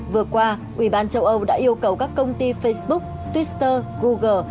vừa qua ubnd đã yêu cầu các công ty facebook twitter google